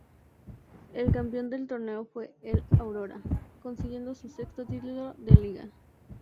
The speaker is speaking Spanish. El campeón del torneo fue el Aurora, consiguiendo su sexto título de liga.